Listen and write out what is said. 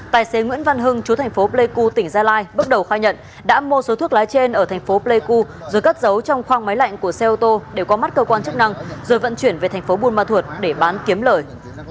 tài xế nguyễn văn hưng chú thành phố pleiku tỉnh gia lai bước đầu khai nhận đã mua số thuốc lá trên ở thành phố pleiku rồi cất giấu trong khoang máy lạnh của xe ô tô để qua mắt cơ quan chức năng rồi vận chuyển về thành phố buôn ma thuột để bán kiếm lời